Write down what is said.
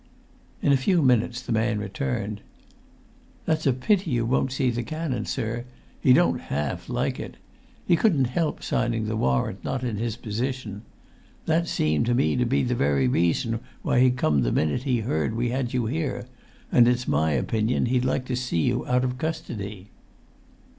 In a few minutes the man returned. "That's a pity you won't see the canon, sir; he don't half like it. He couldn't help signing the warrant, not in his position; that seem to me to be the very reason why he come the minute he heard we had you here; and it's my opinion he'd like to see you out of custody."